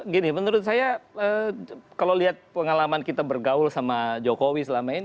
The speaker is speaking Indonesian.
gini menurut saya kalau lihat pengalaman kita bergaul sama jokowi selama ini